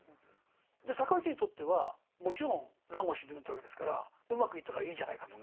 尊氏にとってはもちろん乱を鎮めたわけですからうまくいったからいいじゃないかと。